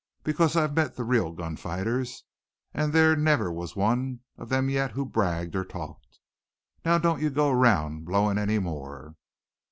Because I've met the real gun fighters, an' there never was one of them yet who bragged or talked. Now don't you go round blowin' any more.'